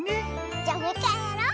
じゃもういっかいやろう！